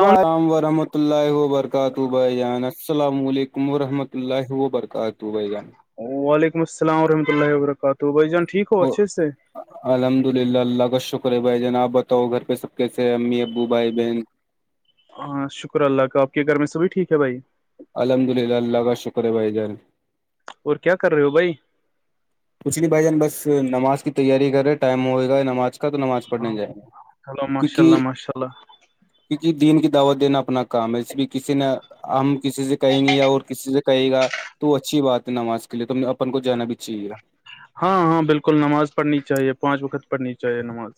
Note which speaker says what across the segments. Speaker 1: و آم و رم بمۃ اللہ وبرکاتہ بھائی جان السلام علیکم ورحمۃ اللہ وبرکاتہ بھائی جان
Speaker 2: وعلیکم السلام ورحمتۃ اللہ وبرکاتہ بھائی جان ٹھیک ہو اچھے سے
Speaker 1: الحمد للہ اللہ کا شکر ہے بھائی جان آپ بتاؤ گھر پہ سب کیس ہیں امی ابو بھائی بہن
Speaker 2: ہاں شکر اللہ کا آپ کے گھر میں سبھی ٹھیک ہے بھائی
Speaker 1: الحمد للہ اللہ کا شکر ہے بھائی جان
Speaker 2: اور کیا کر رہے ہو بھائی
Speaker 1: کچھ نہیں بھائی جان بس نماز کی تیاری کر رہے ٹائم ہو گا نماز تو نماز پڑھنے جائے گا
Speaker 2: ہلو ماشاء
Speaker 1: کیونکہ
Speaker 2: اللہ ماشاء اللہ
Speaker 1: کیونکہ دین کی دعوت دینا اپنا کام ہے اس بھی کسی نے ہم کسی سے کہیں گے یا اور کسی سے کہے گا تو اچھی بات ہے نماز کے لیے تمیں اپن کو جانا بھی چاہیے
Speaker 2: ہاں ہاں بالکل نماز پڑھنی چاہیے پانچ وقت پڑھنی چاہیے نماز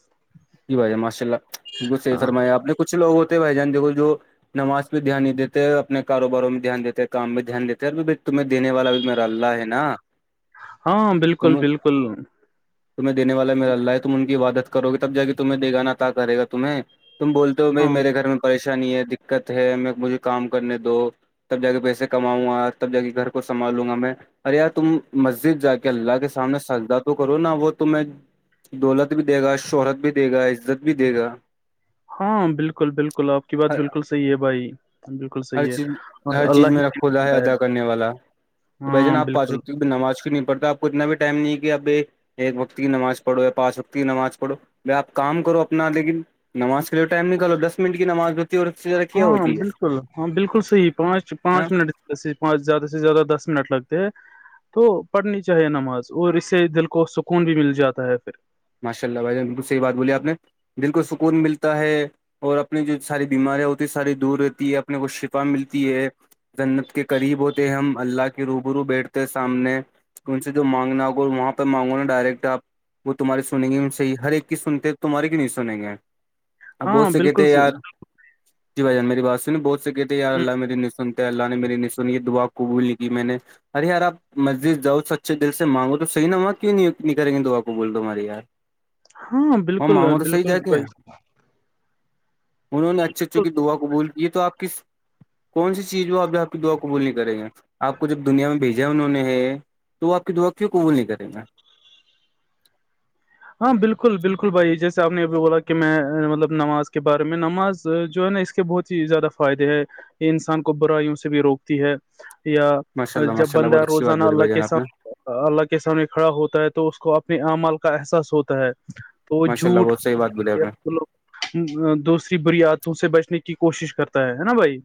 Speaker 1: جی بھائی جان ماشاء اللہ بالک صحی فرمایا آپ نے کچھ لوگ ہوتے ہیں بھائی جان دیکھ جو نماز پہ دھیان نہیں دیتے اپنے کاروباروں میں بھی دھیان دیتے ہیں کام میں دھیان دیتے تمہ دینے والا بھی م اللہ ہے نا
Speaker 2: ہاں بالکل
Speaker 1: تم
Speaker 2: بالکل
Speaker 1: تمہیں دینے والا ما اللہ ہے تم ان کی عبادت کروے تب جاے تمہیں دےگانا کرےا تمہیں تم بول ہو بھ
Speaker 2: ہاں
Speaker 1: میرے گھر میں پریشانی ہے دقت ہے میں مجھے کام کرنے دو تب جا کے پیسے کماؤں گا تب جا کے گھر کو سنبال لوں گا میں ارے تم مسجد جا کے اللہ کے سامنے سجدا تو کرو نا وہ تم دولت بھی دے گا شہرت بھی دے گا عزت بھی دے گا
Speaker 2: ہاں بالکل بالکل آپ کی بات بالکل صحیح ہے بھائی بالکل
Speaker 1: ہر
Speaker 2: صحیح ہے
Speaker 1: چیز
Speaker 2: اور
Speaker 1: ہر چیز
Speaker 2: اللہ
Speaker 1: میرا خھدا
Speaker 2: ہی
Speaker 1: ہے ادا کرنے والا تو بھ
Speaker 2: ہاں
Speaker 1: جان آپ
Speaker 2: بالکل
Speaker 1: پاچوں کی بھی نماز کیوں نہیں پڑتا آ کتنا بھی ٹائم نہیں کہ ابھی ایک وقت کی نماز پڑھو یا پانچ وقت کی نماز پڑھو بائی آپ کام کرو اپنا لیکن نماز کے لیے ٹائم نکلالو دس منٹ کی نماز ہے اور اس سے زیادہ کیا
Speaker 2: ہاں
Speaker 1: ہوتی ہے
Speaker 2: بالکل ہاں بالکل صحی پانچ
Speaker 1: ہاں
Speaker 2: پانچ منٹ [unintelligible] ج پانچ زیادہ سے زیادہ دس منٹ لگتے ہیں [unintelligible] تو پڑھنی چاہیے نماز اور اس سے دل کو سکون بھی مل جاتا ہے پھر
Speaker 1: ماشاء اللہ بھ بالکل صحیح بات بولی آپ نے دل کو سکون ملتا ہے اور اپنی جو ساری بیماریاں ہوتی ہے ساری دور رہتی ہے اپنے کو شفا ملتی ہے جنت کے قریب ہوتے ہم اللہ کے روبرو بیٹھتے سامنے ان سے جو مانگنا ہوگا وہاں پہ مانگو نا ڈائریکٹ آپ تمہاریےنیں گے بھی صحی ہر ایک کی سنتے تمہاری کی نہیں سیں گے اب
Speaker 2: ہاں
Speaker 1: بہت سے
Speaker 2: بالکل
Speaker 1: کہتے یار جی بھائی جان میری بات سنی بہت سے کہتے یار
Speaker 2: ہوں،
Speaker 1: اللہ مری نن اللہ نے میری نے سنی دعا خوبی لک م میں نے [unintelligible] ارےیار آپسجد جاؤ س اچے دل سے مانگو توحیح نا وہاں کیوں نکیں گے دعا کو بول دو ہمارے [unintelligible]
Speaker 2: ہاں بالکل بالکل
Speaker 1: کے
Speaker 2: بھائی
Speaker 1: انہوں نے اچھے اچھوں کی
Speaker 2: بالکل
Speaker 1: دعا قبول کی تو آپ کس کون سی چیز وہ ا آپ کی دعا کو بھولنی کریں گے آ کو جب دنیا میں بھیجا انہوں نے ہے تو وہ آ کی دعا کیوں قبول نہیں کریں گے
Speaker 2: ہاں بالکل بالکل بھائی جیسے آپ نے ابھی بولا کہ میں مطلب نماز کے بارے میں نماز جو ہے نا اس کے بہت زیادہ فائدے ہے یہ انسان کو برائیوں سے بھی روکتی ہے یا
Speaker 1: ماشاء اللہ
Speaker 2: جب
Speaker 1: ماشاء اللہ بہت
Speaker 2: بندہ
Speaker 1: اچھی بات
Speaker 2: روزانہ
Speaker 1: بولی
Speaker 2: اللہ
Speaker 1: بھائی جان
Speaker 2: کے
Speaker 1: آپ نے
Speaker 2: ساتھ اللہ کے سامنے کھڑا ہوتا ہے تو اس کو اپنے اعمال کا احساس ہوتا ہے
Speaker 1: ماشاء اللہ بہت صحیح بات بولی آپ نے
Speaker 2: [unintelligible] دوسری برییاتوں سے بچنے کی کوشش کرتا ہے نا بھائی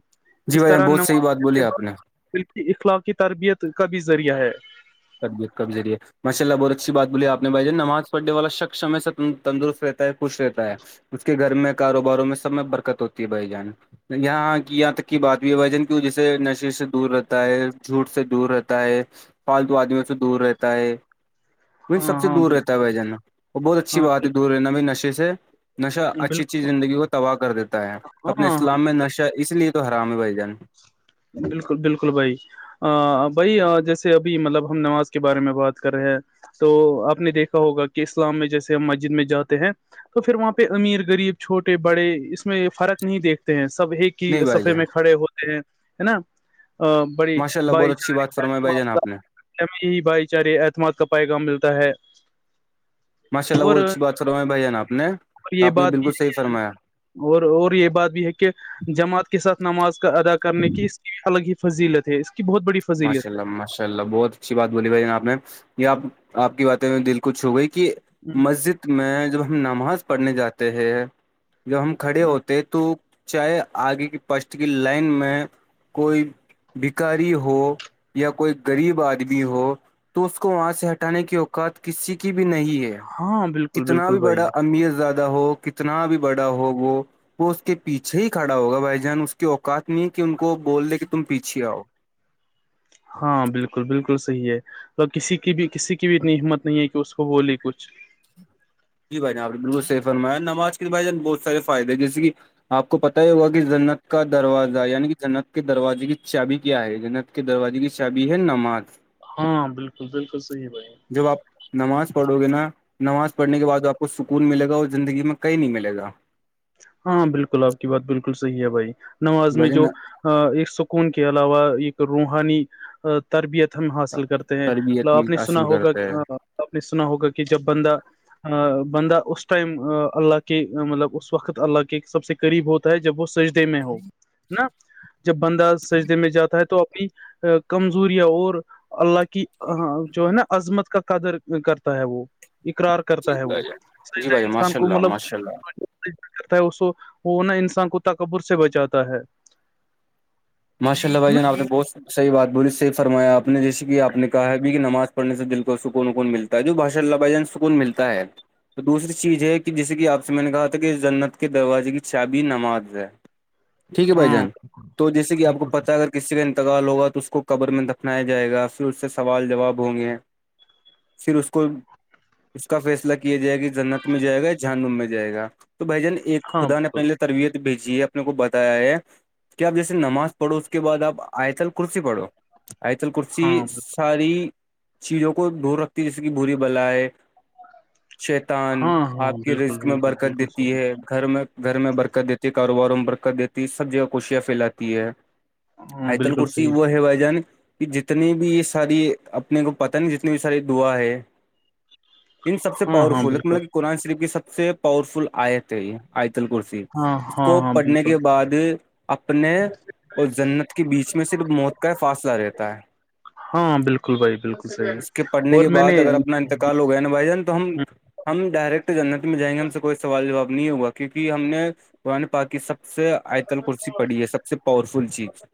Speaker 1: جی
Speaker 2: اس
Speaker 1: بھائی جان
Speaker 2: طرح
Speaker 1: بہت صحیح بات
Speaker 2: نوازع
Speaker 1: بولی
Speaker 2: ب
Speaker 1: آپ نے
Speaker 2: کی اخلاقی تربیت کا بھی ذریعہ ہے [unintelligible]
Speaker 1: تب کمزری ہے [unintelligible] ماشاء اللہ بہت اچھی بات بولی آپ نے بھائی ج نماز پڑھنے والا شخص ہمیں سے تندرست رہتا ہے خوش رہتا ہے اس کے گھر میں کاروباروں میں سب میں برکت ہوتی ہے بھائی جان یہاں کی یہاں تک کی بات بھی ہے بھ جن کی جیسے نشے سے دور رہتا ہے جھوٹ سے دور رہتا ہے فالتو آدمیوں سے دور رہتا ہے
Speaker 2: ہاں
Speaker 1: سب سے
Speaker 2: ہاں
Speaker 1: دور
Speaker 2: بالکل
Speaker 1: رہتا ہے ب جانا اور بہت اچھی
Speaker 2: ہاں
Speaker 1: بات ہے دور رہنا بھی نشے سے نشہ اچھی اچھی
Speaker 2: بالکل
Speaker 1: زندگی کو تباہ کر دیتا ہے
Speaker 2: ہاں
Speaker 1: اپنے
Speaker 2: ہاں
Speaker 1: اسلام میں نشہ اس لیے تو حرام ہے بھائی جان
Speaker 2: بالکل بالکل بھائی ا بھائی جیسے ابھی مطلب ہم نماز کے بارے میں بات کر رہے ہیں تو آپ نے دیکھا ہوگا کہ اسلام میں جیسے ہم مسجد میں جاتے ہیں تو پھر وہاں پہ امیر غریب چھوٹے بڑے اس میں فرق نہیں دیکھتے ہیں سب ایک کہ
Speaker 1: نہیں بھائی
Speaker 2: سفے
Speaker 1: جان
Speaker 2: میں کھڑے ہوتے ہیں ہے نا ا بڑی
Speaker 1: ماشاء اللہ بہت
Speaker 2: بھائی
Speaker 1: اچھی بات
Speaker 2: چارے
Speaker 1: فرمائی بھائی
Speaker 2: اعتماد
Speaker 1: جان آپ نے
Speaker 2: کا ہی بھائی چارے اعتماد کا پیغام ملتا ہے
Speaker 1: ماشاء اللہ وہچی بات کروا میں بھائییا آپ نے
Speaker 2: اور یہ
Speaker 1: آپ نے
Speaker 2: بات بھی
Speaker 1: بالکل
Speaker 2: ہے
Speaker 1: صحیح
Speaker 2: کہ
Speaker 1: فرمایا
Speaker 2: اور اور یہ بات بھی ہے کہ جماعت کے ساتھ نماز ادا کرنے کی اس کی الگ ہی فضیلت ہے کی بہت بڑی فضیلت
Speaker 1: ماشاء اللہ ماشاء اللہ بہت بات بولی بھائی جان آپ نے یہ آپ آپ کی باتیں میں دل کچ چھ ہو گئی کہ
Speaker 2: ہے
Speaker 1: مسجد میں جب ہم نماز پڑھنے جاتے ہیں جب ہم کھڑے ہوتے تو چاہے آگے کی پشٹ کی لائن میں کوئی بھکاری ہو ہو یا کوئی غریب آدمی ہو تو اس کو وہاں سے ہٹانے کی اوقات کسی کی بھی نہیں ہے
Speaker 2: ہاں بالکل
Speaker 1: کتنا
Speaker 2: بالکل
Speaker 1: بھی بڑا
Speaker 2: بھائی
Speaker 1: امیت زیادہ ہو کتنا بھی بڑا ہو وہ وہ اس کے پیچھے ہی کھڑا ہوگا بھائی جان اس کی اوقات نہیں کہ ان کو بول دے کہ تم پیچھے آؤ
Speaker 2: ہاں بالکل بالکل صحیح ہے تو کسی کی بھی کسی کی بھی اتنی ہمت نہیں ہے کہ اس کو بولی کچھ
Speaker 1: جی بائی آپ نے بالکل س فرمیا نماز کے بھائی بہت سے فائدے ہیں جیے کہ آپ کو پتا ہی ہوگا کہ جنت کا دروازہ یعنی کہ جنت کے دروازے کی چابی کیا ہے جنت کے دروازے کی شادی ہے نماز
Speaker 2: ہاں بالکل بالکل صحیح ہے بھائی
Speaker 1: جب آپ نماز پڑھو گے نا نماز پڑنے کے بعد آپ کو سکون ملے اور زندگی میں کہیں نہیں ملے
Speaker 2: ہاں بالکل آپ کی بات بالکل صحیح ہے بھائی نماز میں
Speaker 1: وجن
Speaker 2: جو ایک سکون کے علاوہ ایک روحانی تربیت ہم حاصل کرتے ہیں
Speaker 1: تربیت
Speaker 2: آپ نے سنا
Speaker 1: حاصل
Speaker 2: ہوگا
Speaker 1: کرتا
Speaker 2: کہ
Speaker 1: ہے
Speaker 2: آپ نے سنا ہوگا کہ جب بندہ بندہ اس ٹائم اللہ کی مطلب اس وقت اللہ کے سب سے قریب ہوتا ہے جب وہ سجدے میں ہو ہے نا جب بندہ سجدے میں جاتا ہے تو اپنی کمزوریاں اور اللہ کی جو ہے نا عظمت کا قدر کرتا ہے وہ اقرار کرتا
Speaker 1: جی
Speaker 2: ہے
Speaker 1: بھائی
Speaker 2: وہ
Speaker 1: جان جی
Speaker 2: سجیدہ
Speaker 1: بھائی جان
Speaker 2: انسان
Speaker 1: ماشاء
Speaker 2: کو
Speaker 1: اللہ
Speaker 2: مطلب
Speaker 1: ماشاء اللہ
Speaker 2: کر ہے اس وہ نا انسان کو تکبر سے بچاتا ہے
Speaker 1: ماشا اللہ بھائی
Speaker 2: نا
Speaker 1: جان آپ بست صحی بات بولی صحی فرمایا آپ جیسے کہ آپ کہا بھی کہ نماز پڑھ سے دل کو سکون سکون ملتا تجو باشا لبا جان سکون ملتا ہے تو دوسری چیز ہے کہ جسے کہ آپ سے میں نے کہا تھا کہ جنت کے دروازے کی چابی نماز ہے ٹھیک ہے بھائی
Speaker 2: ہاں
Speaker 1: جان تو جیسے کہ آپ کو پتا ہے اگر کسی کا انتقال ہوگا تو اس کو قبر میں دفنایا جائے گا پھر اس سے سوال جواب ہوں گے پھر اس کو اس کا فیصلہ کیا جائے گ کہ جنت میں جائے گایا جان میں جائے گا تو بھائی جان ایک
Speaker 2: ہاں
Speaker 1: خدا نے اپنے
Speaker 2: بالکل
Speaker 1: لیے تربیت بھیجی ہے اپنے کو بتایا ہے کہ اپ جیسے نماز پڑھو اس کے بعد آپ آئیتل کرسی پڑھو آئیتل کرسی
Speaker 2: ہاں بالکل
Speaker 1: ساری چیزوں کو دھ رکھتی ہے جیسے کہ بھوری بلا ہے شیتان
Speaker 2: ہاں ہاں
Speaker 1: آپ کے
Speaker 2: بالکل
Speaker 1: رزک میں
Speaker 2: بالکل
Speaker 1: برکت
Speaker 2: بالکل
Speaker 1: دیتی
Speaker 2: صحیح
Speaker 1: ہے گھر میں گھر میں برکت دیتی کاروباروں میں برکت دیتی سب جگہ خوشیاں پھیلاتی ہے
Speaker 2: ہاں
Speaker 1: آئیتل
Speaker 2: بالکل
Speaker 1: کورچ
Speaker 2: صحیح
Speaker 1: وہ
Speaker 2: بھائی
Speaker 1: ہے وائ جان کہ جتنی بھی یہ ساری اپنے کو پتاہ جتنی بھی ساری دعا ہے ان سب سے
Speaker 2: ہاں ہاں
Speaker 1: پاورفل ایک
Speaker 2: بالکل
Speaker 1: مطلب کہ قرآن شریف کی سب سے پاورفل آیت ہے یہ آئیتل کرسی
Speaker 2: ہاں
Speaker 1: اس
Speaker 2: ہاں
Speaker 1: کو
Speaker 2: ہاں
Speaker 1: پڑھنے
Speaker 2: بالکل
Speaker 1: کے بعد اپنے اور جنت کے بیچ میں صرف موت کا ہی فاصلہ رہتا ہے
Speaker 2: ہاں بالکل بھائی بالکل صحیح
Speaker 1: اس کے پڑھنے
Speaker 2: اور
Speaker 1: کے
Speaker 2: میں
Speaker 1: بعد اگر اپنا
Speaker 2: نے
Speaker 1: انتقال ہو گیا نا بھائی جان تو ہم ہم ڈائریکٹ جنت میں جائیں گے ہم سے کوئی سوال جواب نہیں ہوا کیوںک ہم نے قآ نے پا کہ سب سے آئی تل کرسی پڑی ہے سب سے پاور فل چیز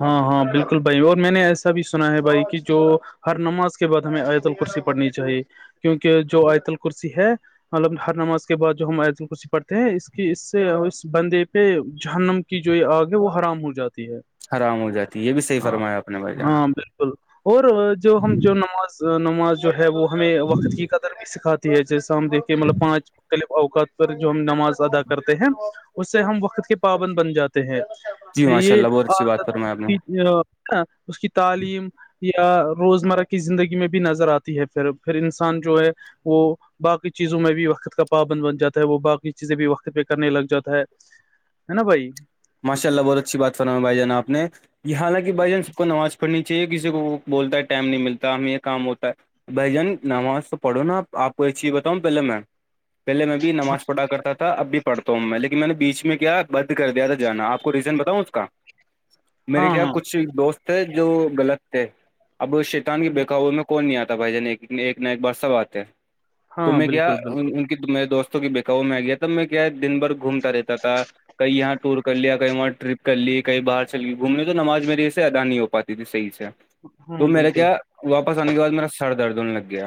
Speaker 2: ہاں ہاں بالکل بھائی اور میں نے ایسا بھی سنا ہے بھائی کہ جو ہر نماز کے بعد ہمیں آتل کرسی پڑھنی چاہیے کیونکہ جو آیتل کرسی ہے مطلب ہر نماز کے بعد جو ہم ایید الکوشی پڑھتے ہیں اس کی اس سے اس بندے پ جہنم کی جو یہ آگ ہے وہ حرام ہو جاتی ہے
Speaker 1: حرام ہو جاتی ہے یہ بھی صحیح
Speaker 2: ہاں
Speaker 1: فرمایا اپنے بھائی جان
Speaker 2: ہاں بالکل اور جو ہم جو نماز نماز جو ہے وہ ہمیں وقت کی قدر بھی سکھاتے جیسا ہم دیکھیے مطلب پانچ مختلف اوقات پر جو ہم نماز ادا کرتے ہیں اس ہم وقت کے پابند بن جاتے ہیں
Speaker 1: جی ماشاء
Speaker 2: یہ
Speaker 1: اللہ بہت اچھی بات فرمایا آپ نے
Speaker 2: اس کی تعلیم یا روزمرہ کی زندگی میں بھی نظر آتی ہے پھر پھر انسان جو ہے وہ باقی چیزوں میں بھی وقت کا پابند بن جاتا ہے وہ باقی چیزیں بھی وقت پہ کرنے لگ جاتا ہے ہے نا بھائی
Speaker 1: ماشا اللہ بہت اچھی بات فرا ہے بائی جانپ نے یہ حالانکہ بھائی جان سب کو نماز پڑھنی چاہیے کسی کو بولتا ہے ٹائم نہیں ملتا ہمیں یہ کام ہوتا ہے بھائی جان نماز تو پڑھو نا آپ کو ایک چیز بتاؤں پہلے میں پہلے میں بھی نماز پڑھا کرتا تھا اب بھیڑتا ہوں میں لیکن میں نے بیچ میں کیا بند کر دیا تھا جانا آپ کو ریزن بتاؤ اس کا میرے
Speaker 2: ہاں
Speaker 1: کیا
Speaker 2: ہاں
Speaker 1: کچھ دوست سر جو غلط تھے اب شیتان کی بخو میں کون نہیں آتا بھائی جان ایک ایک نہ ایک بار سب آتے ہیں تو
Speaker 2: ہاں
Speaker 1: میں کیا
Speaker 2: بالکل بالکل
Speaker 1: میرے دوستوں کے بکاؤ میں آ گیا تھا میں کیا دن بھر گھومتا رہتا تھا کہئی یہاں ٹور کر لیا کہیں وہاں ٹرپ کر لی کہیں باہر چل لی گھوم لی تو نماز میرے اس سے ادا نہیں ہو پاتی ت صحیح سے تو
Speaker 2: ہاں
Speaker 1: میرا
Speaker 2: بالکل
Speaker 1: کیا واپس آنے کے بعد میرا سر درد ہونے لگ گیا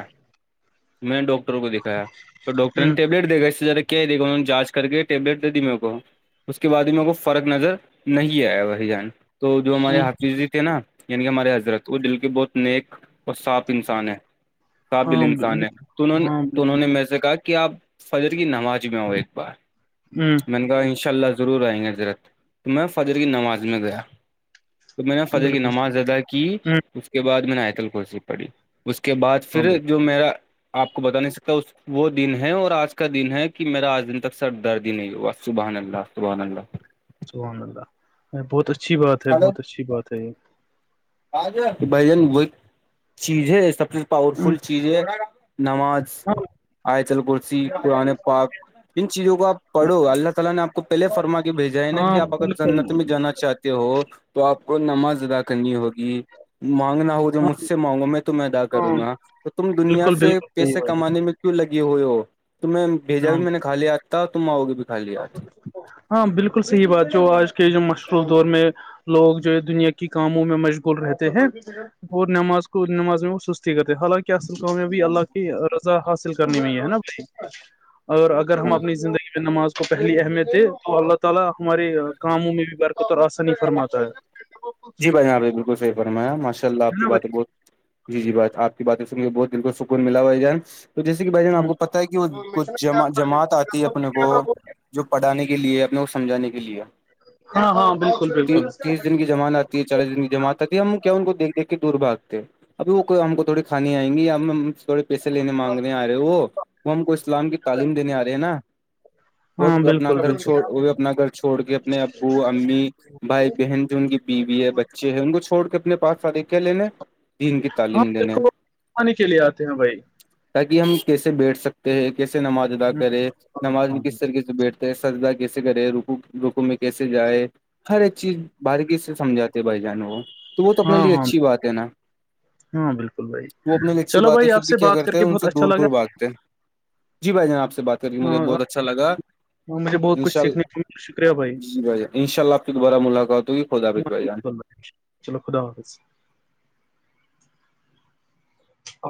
Speaker 1: میں ڈاکٹر کو دکھایا تو ڈاکٹر نے
Speaker 2: ہ
Speaker 1: ٹیبلیٹ دےھا اس سےذرا کیا دے گا انہوں نے جانچ کر کے ٹیبلٹ دے دی میرے کو اس کے بعد ہی میرے کو فرق نظر نہیں آیا بھائی جان تو جو
Speaker 2: ہ
Speaker 1: ہمارے حافظ نا یعنی کہ ہمارے حضرت وہ دل کے بہت نیک اور صاف انسان ہے قابل
Speaker 2: ہاں
Speaker 1: انسان ہے تو
Speaker 2: بالکل
Speaker 1: انہوں نے
Speaker 2: ہاں
Speaker 1: تو انہوں نے میر سے کہا کہ آپ فجر کی نماز میں آ ایک بار
Speaker 2: ہوں
Speaker 1: میں نے کہا انشء اللہ رور آئ گا ذرا تو میں فادر کی نماز میں گیا تو میں نے
Speaker 2: بالکل ہ
Speaker 1: فادر کی
Speaker 2: بالکل
Speaker 1: نماز
Speaker 2: صحیح
Speaker 1: ادا کی
Speaker 2: ہ
Speaker 1: کے بعد میں نے آتل کرسی پڑھی اس کے بعد
Speaker 2: ہاں
Speaker 1: پھر
Speaker 2: بھائی
Speaker 1: جو میرا آپ کو بتا نہیں سکتا اس وہ دن ہے اور آج کا دن ہے کہ میرا آج دن تک سر درد ہی نہیں ہوا سبحان اللہ سبحان اللہ
Speaker 2: الحمدلہ بہت اچھی بات ہے بہت اچھی بات ہے یہ
Speaker 1: ج بھ جن وہ ایک چیز ہے سب سے پاور
Speaker 2: ہوں
Speaker 1: فل چیز ہے نماز
Speaker 2: ہاں
Speaker 1: آئیچل کرسی پرانے پاک ان چیزوں کو آپ پڑھو اللہ تعالی نے آ کو پہلے فرما کے بھیجا ہے نا کہ
Speaker 2: ہاں
Speaker 1: آپ اگر
Speaker 2: بالکل
Speaker 1: سنت میں جانا چاہتے ہو تو آپ کو نماز ادا کرنی ہوتی مانگنا ہو جو مجھ
Speaker 2: ہاں
Speaker 1: سے مانگو میں تو میں ادا کروں
Speaker 2: ہاں
Speaker 1: گا تو تم دنیا
Speaker 2: بالکل
Speaker 1: سے
Speaker 2: بالکل صحیح
Speaker 1: پیسے
Speaker 2: بھائی
Speaker 1: کمانے میں کیوں لگے ہوئے ہو تم بھیجا
Speaker 2: ہاں
Speaker 1: بھی میں نے کایا تھا تمؤگے بھی کھا ل آتی
Speaker 2: ہاں بالکل صحیح بات جو آج کے جو مشروص دور میں لوگ جو ہے دنیا کی کاموں میں مشغول رہتے ہیں اور نماز کو نماز میں کرتے حالانکہ اصل کامیابی اللہ کی رضا حاصل کرنے میں ہے نا بھائی اور اگر ہم
Speaker 1: ہاں
Speaker 2: اپنی زندگی میں نماز کو پہلی اہمیت دے تو اللہ تعالی ہماری کاموں میں بھی بر ط آسانی فرماتا ہے
Speaker 1: جی بھائی آپ نے بالکلح فرمایا ماشء اللہ آپ بات
Speaker 2: ہے
Speaker 1: بہت جی جی بات آپ کی باتیں سنے بہت د کو سکون ملا ہواجان تو جیسے کہ بھائی جان آپ کو پتہ ہے کہ وہ ک جع جماعت آتی ہے اپنے کو جو پڑھانے کے لیے اپنے کو سمجھانے کے لیے
Speaker 2: ہاں ہاں بالکل بالکل
Speaker 1: تیس دن کی زمانتتی چار جماتا تھی ہم کیا ان کو دیک دھ کے دور بھاتے ابھی وہ ہم کو تھوڑی کھانی آئیں گ یا ہم تھوڑی پیسے لینے مانگنے آ رہے وہ وہ ہم کو اسلام کی تعلیم دینے آ رہے ہیں نا وہ
Speaker 2: ہاں
Speaker 1: اپنا
Speaker 2: بالکل
Speaker 1: گھر
Speaker 2: بالکل
Speaker 1: چھوڑ وہ بھی اپنا گھر چھوڑ کے اپنے ابو امی بھائی بہن جو ان کی بیوی ہے بچے ہیں ان کو چھوڑ کے اپنے پاس سارے کیا لیین
Speaker 2: ہاں بے کے لیے آتے ہیں بھائی
Speaker 1: تاکہ ہم کیسے بیٹھ سکتے ہیں کیسے نماز ادا کرے نماز میں کس طریقے سے بیٹھ سردا کیسے کرے رکو روکو میں کیسے جائے ہر ایک چیز باہر کی سمجھاتے بھائی جان وہ تو وہ تو اپنے
Speaker 2: ہاں
Speaker 1: لیے
Speaker 2: ہاں
Speaker 1: اچھی بات ہے نا
Speaker 2: ہاں بالکل بھائی
Speaker 1: وہ اپنے لی اچھی
Speaker 2: چلو
Speaker 1: بات ہے
Speaker 2: بھائی آپ
Speaker 1: پھر بھی
Speaker 2: سے
Speaker 1: کیا
Speaker 2: بات کر
Speaker 1: کرتے ہیں
Speaker 2: کے
Speaker 1: ان
Speaker 2: بہت
Speaker 1: سے
Speaker 2: اچھا
Speaker 1: دور دور بھاگتے ہیں جی بھائی جان آپ سے بات کر کے مجھے
Speaker 2: لگا
Speaker 1: بہت اچھا لگا
Speaker 2: مجھے بہت کچھ
Speaker 1: انشاء ال
Speaker 2: سیکھنے کو ملا، شکریہ
Speaker 1: جی بھائی جان ان شاء اللہ آ پ کی دوبارہ ملاقات ہوگی خدافظ بھ جان
Speaker 2: چلو خدا حافظ